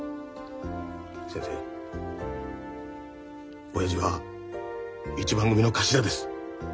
先生親父は一番組の頭です。